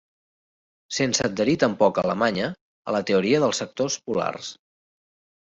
Sense adherir tampoc Alemanya a la Teoria dels Sectors Polars.